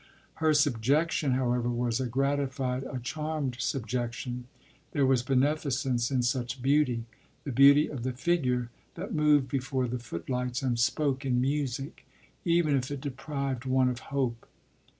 Her subjection, however, was a gratified, a charmed subjection: there was beneficence in such beauty the beauty of the figure that moved before the footlights and spoke in music even if it deprived one of hope.